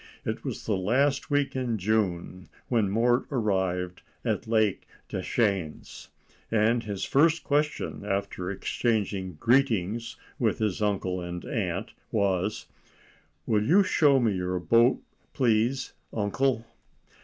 It was the last week in June when Mort arrived at Lake Deschenes, and his first question, after exchanging greetings with his uncle and aunt, was,— "Will you show me your boat, please, uncle?"